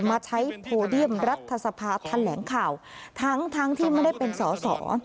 มาใช้โพเดียมรัฐสภาทันแหลงข่าวทั้งทั้งที่ไม่ได้เป็นสอสอ